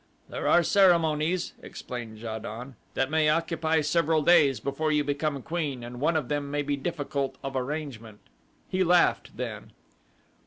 "There are ceremonies," explained Ja don, "that may occupy several days before you become queen, and one of them may be difficult of arrangement." He laughed, then.